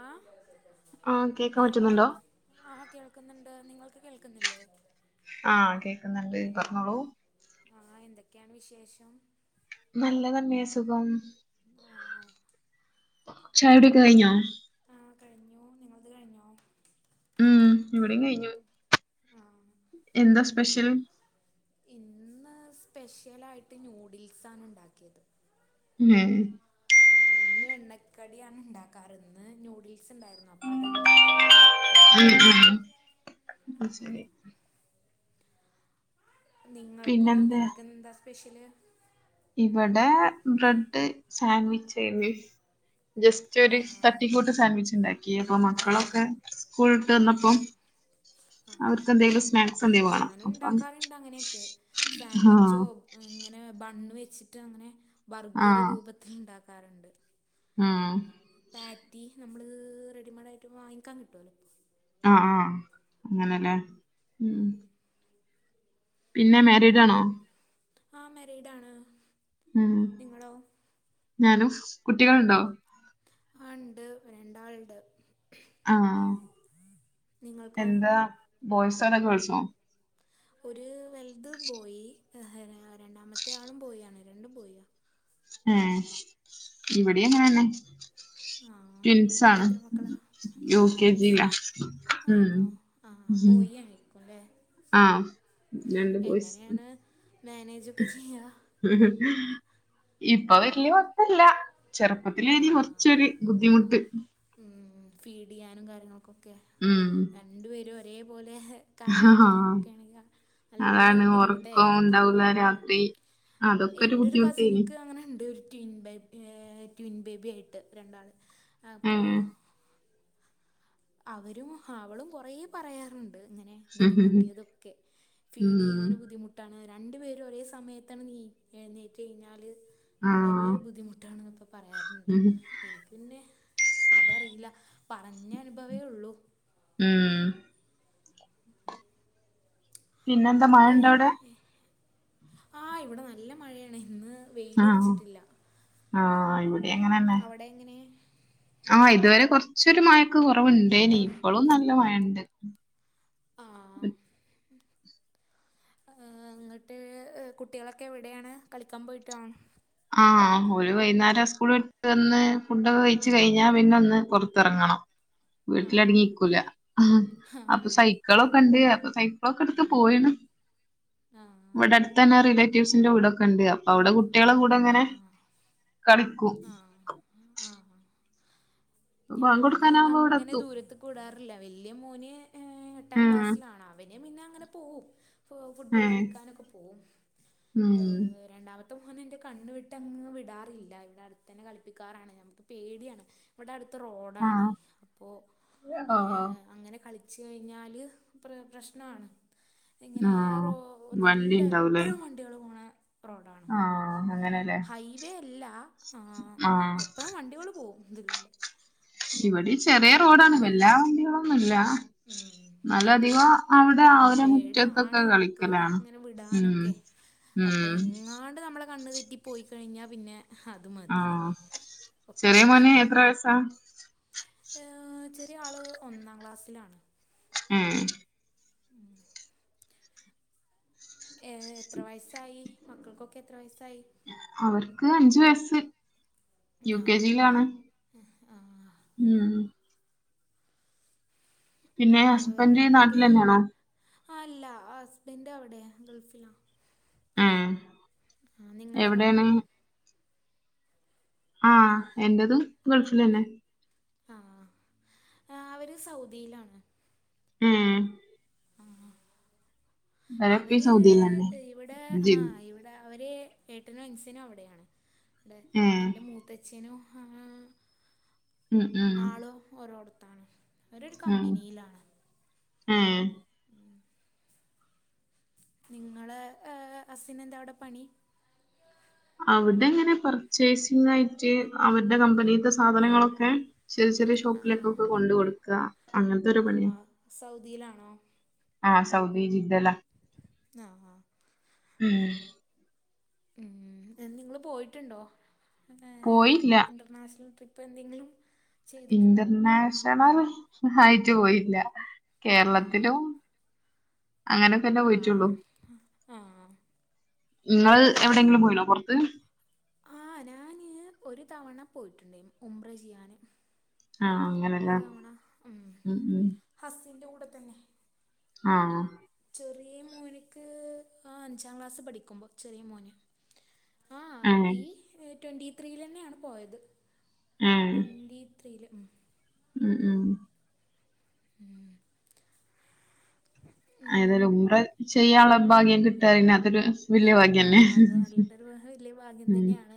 ആഹ് ആഹ് കേക്കാൻ പറ്റുന്നുണ്ടോ? ആഹ് കേൾക്കുന്നുണ്ട്, നിങ്ങൾക്ക് കേൾക്കുന്നില്ലേ? ആഹ് കേക്ക്ന്നുണ്ട് പറഞ്ഞോളൂ. ആഹ് എന്തൊക്കെയാണ് വിശേഷം? നല്ലതന്നെ സുഖം. മ് ആഹ് ചായുടിയൊക്കെ ഏഹ് കഴിഞ്ഞോ ആ കഴിഞ്ഞു നിങ്ങളത് കഴിഞ്ഞോ? മ് ഇവിടേം കഴിഞ്ഞു. ആ എന്താ സ്പെഷ്യൽ ഇന്ന് സ്പെഷ്യലായിട്ട് ന്യൂഡിൽസാണുണ്ടാക്കിയത് ഉം ആഹ എന്നും എണ്ണക്കടിയാണ് ഇണ്ടാക്കാറ് ഇന്ന് ന്യൂഡിൽസ്ണ്ടായിരുന്നു അപ്പൊ അത്ണ്ടാക്ക [inaudible] മ് ശരി മ് നിങ്ങൾക്കോ പിന്നെന്താ നിങ്ങൾക്കെന്താ സ്പെഷ്യല്? ഇവടെ ബ്രെഡ് സാൻവിച്ച് [unintelligible] ജസ്റ്റൊരു ആ തട്ടിക്കൂട്ട് സാൻവിച്ചുണ്ടാക്കി അപ്പ മക്കളൊക്കെ ആ സ്കൂൾ വിട്ട് വന്നപ്പം ആ ആഹ് അവർക്ക് എന്തെങ്കിലും സ്നാക്സ് എന്തെങ്കിലും വേണം ഞാനും അപ്പം ഉണ്ടാക്കാറിണ്ട് അങ്ങനെയൊക്കെ സാൻവിച്ചോ ആഹ് അങ്ങനെ ബണ്ണ് വെച്ചിട്ടങ്ങനെ ബർഗറ് ആഹ് രൂപത്തിലിണ്ടാക്കാറ്ണ്ട്. ആഹ് പാറ്റി നമ്മള് റെഡിമെയ്ഡായിട്ട് വാങ്ങിക്കാൻ കിട്ടോലോ. ആഹ് ആഹ് അങ്ങനെല്ലേ മ് പിന്നെ മാരിഡ് ആ മാരീഡാണ്. മ് നിങ്ങളോ ഞാനും കുട്ടികളുണ്ടോ? ആഹ് ഇണ്ട് രണ്ടാൾ ഇണ്ട്. ആഹ് നിങ്ങൾക്കോ എന്താ ബോയ്സോ അതോ ഗേൾസോ? ഒര് വൽത് ബോയി യേഹ് രണ്ടാമത്തെയാളും ബോയാണ് രണ്ടും ബോയ്യാ യാഹ് ഇവിടേം അങ്ങനെന്നെ ആ ടിൻസാണ് എത്ര മക്കളാ ആ യു കെ ജി ലാ ഉം ആഹ് ബോയിയായിരിക്കൂല്ലേ ആ ആഹ് രണ്ട്ബോയിസ് ഉം ഉം മേനേജൊക്കെചെയ്യാ ഇപ്പൊ വല്യാ അല്ല ചെറുപ്പത്തിലേനീ കൊറ്ച്ചൊരു ബുദ്ധിമുട്ട് ഉംഹ് ഫീഡെയ്യാനും കാര്യങ്ങൾക്കൊക്കെ ഉം. രണ്ടു പേരും ഒരേപോലെ ഏഹ് ആ. കരയും കാര്യങ്ങളൊക്കേണെങ്കിൽ നല്ല അതാണ് ഉറക്കം ബുദ്ധിമുട്ടായിരിക്കും ഉണ്ടാവില്ല ഉംഹ് രാത്രി അതൊക്കെ ഒരു എന്റൊരു ബുദ്ധിമുട്ടേനി കസിനിക്ക് അങ്ങനെണ്ട് ഒരു ട്വിൻ ബേ ഏഹ് ട്വിൻ ബേബിയായിട്ട് രണ്ടാൾ ഏ. അപ്പോ അവരും അവളും കൊറേ പറയാറുണ്ട് ഇങ്ങനെ ബുദ്ധിമുട്ടിയൊതൊക്കെ ഉം. ഫീഡെയ്യാനും ബുദ്ധിമു എത്താണ് രണ്ടുപേരും ഒരേ സമയത്തണ് നീ ഏയ്നെറ്റ് കഴിഞ്ഞാല് ആ. വളരെ ബുദ്ധിമുട്ടാണ്ന്നൊക്ക പറയാറ്ണ്ട് ഉം. എനി പിന്നെ അതറിയില്ല പറഞ്ഞ അനുഭവേ ഉള്ളൂ ഉം ഉ ഉം പിന്നെ എന്താ മാ ഏ ഏ ആഹ് ഇവിടെ നല്ല മഴയാണ് ഇന്ന് ആഹ് വെയിലറിച്ചിട്ടില്ല ആഹ് ഇവിടെ അങ്ങനെന്നെ അവിടെ എങ്ങനെ ആഹ് ഇതുവരെ കുറച്ചൊരു മഴക്ക് കുറവുണ്ടേനി ഇപ്പോഴും കുറവുണ്ടേനു നല്ല മഴണ്ട് ആ ആം ആഹ് എങ്ങട്ട് കുട്ടികളൊക്കെ എവിടെയാണ് കളിക്കാൻ പോയിട്ടാ? ആഹഹ് ഓരു വൈകുന്നേരം സ്കൂള ഇട്ട് വന്ന് ഫുഡൊക്കെ കഴിച്ച് കഴിഞ്ഞാ പിന്നെ ഒന്ന് പുറത്തിറങ്ങണം ആ വീട്ടിലടങ്ങിക്കൂല ആ അപ്പൊ സൈക്കിളൊക്കെ ഉണ്ട് അപ്പൊ സൈക്കിളൊക്കെ എടുത്ത് ആ പോയിന് ആ ഇവിടെ അടുത്ത തന്നെ റിലേ വ്സ്സിന്റെ വീടൊക്കെ ഉണ്ട് അപ്പൊ അവിടെ കുട്ടികളെ കൂടെ ആ അങ്ങനെ കളിക്കും ആഹ് ആഹ് അപ്പൊ ബാങ്ക് ഞാന് കൊടുക്കാനാവുമ്പോ ഇവിടെ അങ്ങനെ എത്തും ദൂരത്ത് കൂടാറില്ല വലിയ മോന് ഏ എട്ടാം ഉം ക്ലാസ്സിലാണ് അവന് പിന്നെ അങ്ങനെ പോവും പോ ഫുട്ബോൾ ഏഹ് കളിക്കാനൊക്കെ പോകും ഉം ഏ രണ്ടാമത്തെ മോന് എന്റെ കണ്ണ് വിട്ടങ്ങ് വിടാറില്ല ഇവിടെ അടുത്ത് തന്നെ കളിപ്പിക്കാറാണ് ഞാന് ഇപ്പം പേടിയാണ് ഇവടെ അട്ത്ത് റോഡാണേ ആഹ് അപ്പോ ആഹ് ഏഹ് അങ്ങനെ കളി ച്ച് കഴിഞ്ഞാല് പ്ര പ്രശ്നമാണ് ഇങ്ങനെ ആഹ് റോ വണ്ടി നല്ല ഇണ്ടാവൂലേ എപ്പോഴും വണ്ടികൾ പോണ റോഡാണ് ആഹ് അങ്ങനെല്ലേ ഹൈവേ അല്ല ആ ആഹ് എപ്പോഴും വണ്ടികൾ പോകും ഇതിലൂടെ അപ്പോൾ ഇവിടെ ചെറിയ റോഡാണ് വല്ലാ വണ്ടികളൊന്നുംല്ല ഉം ആ അവരെ മുറ്റത്തൊക്കെ പേടിയാണ് നമുക്ക് കളിക്കലാണ് ഇങ്ങനെ ഉം വിടാനൊക്കെ അപ്പൊ ഉം എങ്ങാണ്ട് നമ്മളെ കണ്ണ് തെറ്റി പോയി കഴിഞ്ഞാ പിന്നെ അത് മതി ആഹ ചെറിയ ഓക്കെ മോന് എത്ര വയസാ ഏ ചെറിയ ആള് ഒന്നാം ക്ലാസ്സിലാണ് ഉം ഉം ഉം ഏ എത്ര വയസ്സായി മക്കൾക്കൊക്കെ എത്ര വയസ്സായി അവർക്ക് അഞ്ചു വയസ് യു കെ ജിയിലാണ് ആ ഉം പിന്നെ ഹസ്ബൻഡ് നാട്ടിൽ വേറെന്തൊക്കെ തന്നെയാണോ ആ അല്ല ആ ഹസ്ബൻഡ് അവിടെ ഗൾഫിലാ ഏഹ് ആ നിങ്ങളതോ എവിടെയാണ് ആഹ് എന്റതും ഗൾഫിൽ തന്നെ ആ അവര് സൗദിയിലാണ് ഉം ആ ഇവരപ്പി അവര് സൗദിയിലന്നെ ഇവിടെ ജി ആഹ് ഇവിടെ അവര് ഏട്ടനും അൻസിനും അവിടെയാണ് ഏഹ് എൻ്റെ മൂത്തച്ഛനും ഉം ഉം ആള് ഓരോ അട്ത്താണ് രരു കമ്പനിയിലാണ് ഏ നിങ്ങളെ അസിന് എന്താ അവിടെ പണി അവിടെ എങ്ങനെ പർച്ചേസിംഗ് ആയിട്ട് അവരുടെ കമ്പനിത്തെ സാധനങ്ങളൊക്കെ ചെറിയ ചെറിയ ആ ഷോപ്പിലൊക്കെ ഒക്കെ കൊണ്ട് കൊടുക്കുക അങ്ങനത്തെ ഒരു ആ പണിയാണ് സൗദിയിലാണോ ആഹ സൗദി ജിദ്ദ യിൽ ആഹ് ആഹ് ഉം യ നിങ്ങള് പോയിട്ടുണ്ടോ പോയില്ല നാഷണൽ ട്രിപ്പ് എന്തെങ്കിലും ചെയ്തിട്ടുണ്ടോ ഇന്റർനാഷണൽ ആയിട്ട് പോയില്ല കേരളത്തിലും ആ അങ്ങനെ ക്കെന്നെ പോയിട്ടുള്ളൂ ആഹ് ആഹ് നിങ്ങൾ എവിടെയെങ്കിലും പോയി ണോ പുറത്ത് ആഹ് ഞാന് ഒരു തവണ പോയിട്ടുണ്ടേ ഉബ്ര ചെയ്യാന് ആഹ് ഒരു അങ്ങനല്ലേ തവണ ഉം ഹസീന്റെ കൂടെ തന്നെ ആഹ് ചെറിയ മോന്ക്ക് അഞ്ചാം ക്ലാസ്സ് പഠിക്കുമ്പോ ചെറിയ മോന് ആ ഏഹ് ഈ ട്വന്റി ത്രീൽന്നെയാണ് പോയത് ഏഹ് ട്വന്റി ത്രീയില് ഉം ഉം ഉം ഉം ഏതായാലും ഉബ്ര ചെയ്യാനുള്ള ഭാഗ്യം കിട്ടി കഴിഞ്ഞാൽ അതൊരു വലിയ ആ ഭാഗ്യന്നെ അത് നല്ലൊരു വല്യ ഭാഗ്യം ഉം തന്നെയാണ്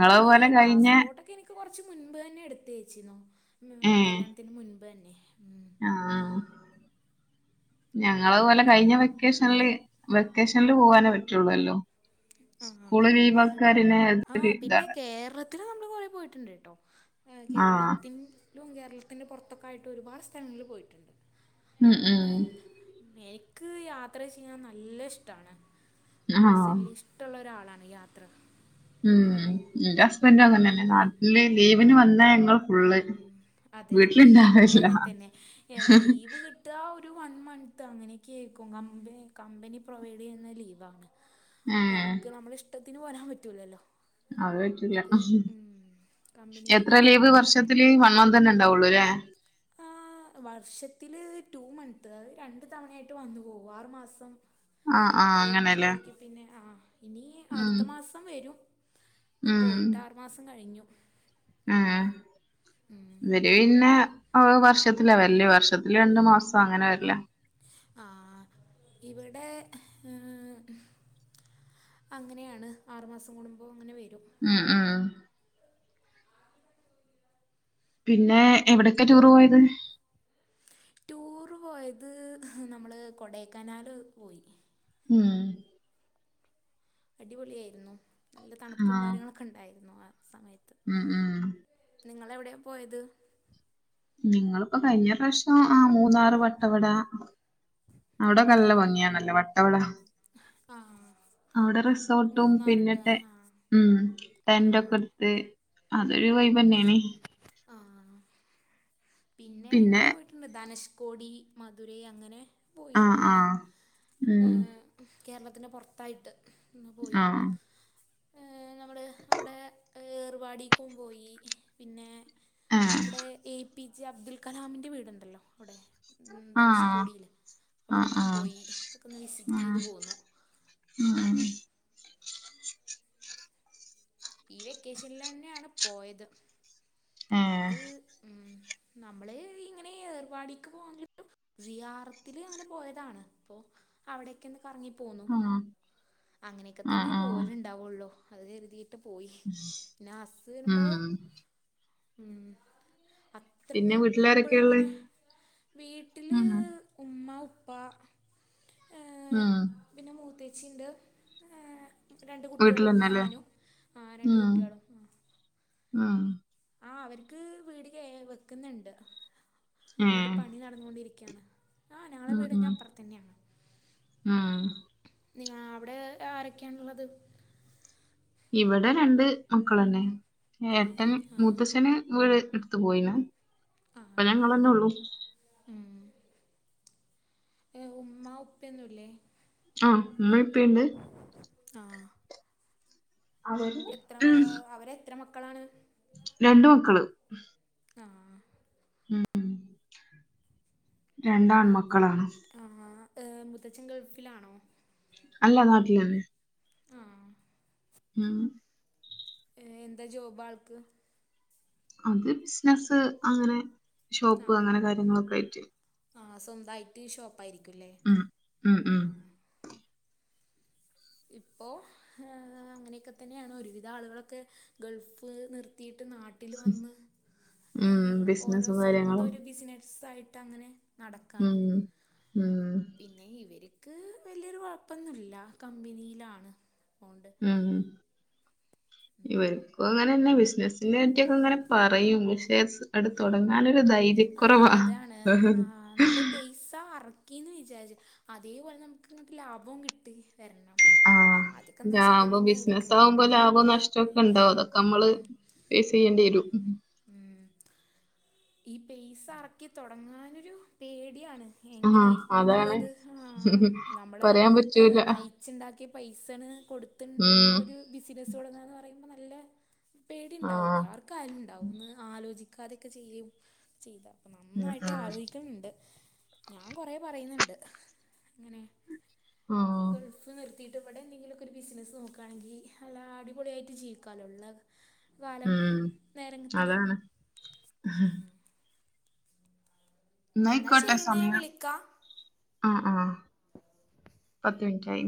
അതിന് കഴിഞ്ഞ പാസ്പോർട്ടൊക്കെ എനിക്ക് ഇൻക്ക് കുറച്ച് മുൻപ് തന്നെ എടുത്ത വേച്ചിന്നോ ഉം കല്യാണത്തിന് മുൻപ് തന്നെ ഉം ആഹ ഞങ്ങളതുപോലെ കഴിഞ്ഞ വെക്കേഷനിൽ വെക്കേഷനിൽ പോവാനേ പറ്റുള്ളൂല്ലോ. ആ സ്കൂള് ലീവാക്കാരിനെ ആ ഒരു പിന്നെ ഇതാണ് കേരള ഞാൻ രണ്ട് തവണ പോയിട്ടുണ്ട് കേട്ടോ ആഹ് കേരളത്തിന് ലും കേരളത്തിന് പുറത്തൊക്കെ ആയിട്ട് ഒരുപാട് സ്ഥലങ്ങളിൽ പോയിട്ടുണ്ട് ഉം അങ്ങനെ ഉം എനക്ക് യാത്ര ചെയ്യാൻ നല്ല ഇഷ്ട്ടാണ് ആഹ് പേഴ്സണലി ഇഷ് ഇഷ്ട്ടോള്ള ഒരാളാണ് യാത്ര ഉം ഇന്റെ സ് പിന്നെ നല്ല അപ്പോൾ അല്ലേ നാട്ടില് ലീവീന് വന്നാ ഞങ്ങൾ ഫുള്ള് അതെ അതെ ഇവിടെ വീട്ടിലിണ്ടാകാറില്ല അങ്ങനെ തന്നെ ലീവ് കിട്ട് ഇതാ ഒരു വൺ മന്ത് അങ്ങനെയൊക്കെ ആക്കും കമ്പ കമ്പനി പ്രൊവൈഡ് ചെയ്യുന്ന ലീവാണ് ഏഹ് നമുക്ക് നമ്മള ഇഷ്ടത്തിന് പോരാൻ പറ്റൂലല്ലോ അത് വെയ്യ്ക്കുല്ല അത് കമ്പനി എത്ര ലീവ് കൊടുക്കണം വർഷത്തില് വന്ന് അ തന്നെ ഉണ്ടാവുള്ളു അല്ലേ വർഷത്തില് ടു മന്ത് അത് രണ്ട് തവണയായിട്ട് വന്നു പോകുമൊ ആറു മാസം ആഹ് ആഹ് അങ്ങനെല്ലേ ഏത്തിലോരിക്കൽ പിന്നെ ആ ഇനി ഉം അടുത്ത മാസം വെരും ഇപ്പൊ പോയിട്ട് ആറു മാസം കഴിഞ്ഞു ആ ഉം ഇവര് പിന്നെ വർഷത്തിലാ വരല്ലേ വർഷത്തില് രണ്ടു മാസം അങ്ങനെ വരില്ല ആഹ ഇവിടെ ഉ അങ്ങനെയാണ് ആറു മാസം കൂടുമ്പോൾ അങ്ങനെ വരും ആ ആ ആ പിന്നെ എവിടെയൊക്കെ ടൂർ പോയത് ടൂറ് പോയത് നമ്മള് കൊടൈക്കനാൽ പോയി ഉം അടിപൊളിയായിരുന്നു നല്ല തണുപ്പും ആഹ് കാര്യങ്ങളൊക്കെ ഉണ്ടായിരുന്നു ആ സമയത്ത്. ഉം ഉം നിങ്ങള് എവിടെയാ പോയത് നിങ്ങള് ഇപ്പ കഴിഞ്ഞ പ്രാവശ്യം ആ മൂന്നാറ് വട്ടവട അവിടെ നല്ല ആഹ് ഭംഗിയാണല്ലോ വട്ടവട ആഹ് അവിടെ റിസോർട്ടും മൂന്നാറില്ലേ പിന്നിട്ടെ ആഹ് ഉം ആഹ് [unintelligible] എടുത്ത് അതൊരു വൈബ് തന്നെയണ ആ പിന്നെ ഇങ്ങനെ പോയിട്ട പിന്ന് ധനുഷ്കോടി മധുരൈ അങ്ങനെ പോയി ആഹ് ആഹ് ഉം [unintelligible] കേരളത്തിന്റെ പുറത്തായിട്ട് ഇന്ന് പോയി ആഹ് നമ്മൾ അവിടെ ഏർുപാടക്കും പോയി പിന്നെ ഏഹ് നമ്മുടെ എ പി ജെ അബ്ദുൾ കലാമിന്റെ വീടുണ്ടല്ലോ അവിടെ ഉ ആഹ് ധനുഷ്കോടിയില് ആഹ് അവിടക്കും ആഹ് പോയി ഒതക്കെ വിസിറ്റ് ഉം ചെയ്ത് പോന്നു ഉം ഈ വെക്കേഷനിൽ തന്നെയാണ് പോയത് ഏഹ് അത് ഉം നമ്മള് ഇങ്ങനെ ഏർപാടിക്ക് പോിട്ടും സിിയാർത്തില് അങ്ങനെ പോയതാണ് അപ്പോൊ അവിടൊക്ക ഒന്ന് കറങ്ങി പോന്നുന്നു ആഹ് അങ്ങനെയൊക്കെ തന്നെ ആഹ് ആഹ് പോല ഉണ്ടാവുള്ളോ അത് കരുതിയിട്ട് പോയി പിന്നെ അരുമ്പോ ഉം പിന്നെ അത്രക്ക് ഇപ്പോഴും വീട്ടിലാരൊക്കെയുള്ളെ? ഇങ്ങനെ വീട്ടിൽ ഉം ഉമ്മ ഉപ്പ ഉം പിന്നെ മൂത്തേച്ചിയുണ്ട് ഏ രണ്ട കുട്ടികളും വീട്ടിലന്നെല്ലേ ഞാനും ആ രണ്ട കുട്ടികളും ആ ആഹ ആഹ് അവർക്ക് വീട് കേ വെക്കുന്നുണ്ട് വീട് ഏഹ് പണി നടന്നുകൊണ്ടിരിക്കും ആഹ് ഞങ്ങളെ ഉം വീട്ന്റെ ഉം അപ്പുറത്തന്നെയാണ് ഉം നിങ്ങ അവിടെ ആരൊക്കെയണുള്ളത് ഇവിടെ രണ്ട് മക്കളന്നെ എട്ടൻ ആ മുത്തശച്ഛശന് വീട് എടുത്ത പോയിണ് ആ പ്പൊ ഞങ്ങളന്നെ ഉള്ളു ഉം ഏഹ് ഉമ്മാ ഉപ്പന്നുംല്ലേ ആ നമ്മൾിപ്പുണ്ട് ആഹ് അവര് എത്ര ഉം അവരെ എത്ര മക്കളാണ് രണ്ട് മക്കള് ആഹ് ഉം രണ്ടാൺ മക്കളാണ് ആഹ് മുത്തച്ഛൻ ഗൾഫിലാണോ അല്ല നാട്ടിലന്നെ ആഹ് ഉം ഏഹ് എന്താ ജോബ് ആൾക്ക് അത് ബിസിനസ്സ് അങ്ങനെ ഷോപ്പ് അങ്ങനെ കാര്യങ്ങളൊക്കെ ആയിട്ട് ആഹ് സ്വന്തയിട്ട് ഷോപ്പായിയിരിക്കുംല്ലേ ഉം ഉം ഉം ഇപ്പോ ആ അങ്ങനെയൊക്കെ തന്നെയാണ് ഒരുവിധ ആളുകളൊക്കെ ഗൾഫ് നിർ എത്തിട്ട് നാട്ടിൽ വന്ന് ഉം ഓരോ ബിസിനസും സ്വന്തം കാര്യങ്ങളും ഒരു ബിസിനസയിട്ട് ടങ്ങന ഉം ഉം പിന്നെ ഇവർക്ക് വലിയൊരു കുഴപ്പൊന്നുല്ല കമ്പനിയിലാണ് പോണ്ട് ഉം ഇവർക്കും അങ്ങനെെ ബിസിനസിെ പറ്റിയൊക്കെങ്ങനെ പറയും അടു തുടങ്ങാനൊരു ധൈര്യക്കൊറവാ നമ്മുടെ പൈസ അറക്കിയന്ന് വിചാരിച്ചു അതേപോലെ നമുക്ക്ങ്ങോട്ട് ലാഭവും കിട്ടി വരണം ആ ആഹ് അതൊക്കെ നഷ്ടം ലാഭം തന്നെയായിരിക്കും ബിസിനസകുമ്പോ ലാഭം നഷ്ടംക്കെ ഇണ്ടാവും അതൊക്കെ ഉം നമ്മള് ഫേസ് ഉം ചെയ്യേണ്ടി വരും ഉം ഈ പൈസ അറക്കി തുടങ്ങാനൊരു പേടിയാണ് എങ്ങനെ ആഹ് അതാണ് ഇരിക്കുന്നുള്ളത് ആഹ് നമ്മളെ പറയാൻ പറ്റൂല നയിച്ചുണ്ടാക്കിയ പൈസണ് കൊടുത്ത് ഉം ഒരു ബിസിനസ് തുടങ്ങന്ന് പറയുമ്പോ നല്ല പേടിണ്ടാവൂലേ ആഹ് ആർക്കയാലും ഉണ്ടാവും ന്ന് ആലോചിക്കാതൊക്കെ ചെയ്യ് ചെയ്ത പ്പൊ ഉം നന്നായിട്ട് ഉം ആലോയിക്ക്ണ്ണ്ട് ഞാൻ കൊറെ പറയ്ന്ന്ണ്ട് ങ്ങനെ ആഹ് ഫ് നിർത്തിട്ട് ഇവിടെ എന്തെങ്കിലൊ ക്കൊ ഒരു ബിസിനസ്സ് നോക്കാണെങ്കി അല്ല അടിപൊളിയായിട്ട് ജീവിക്കാലോ ള്ള വാലം ഉം നേരംഗത്തില് അതാണ് ഹും എന്നാൽ ന്നയിക്കോട്ടെ ശരി എന്നാൽ ഞാൻ സമയം വിളിക്കാം ഉം ഉം പത്ത് മിനിറ്റായി